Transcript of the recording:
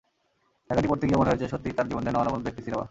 লেখাটি পড়তে গিয়ে মনে হয়েছে, সত্যিই তাঁর জীবন যেন অনবদ্য একটি সিনেমা।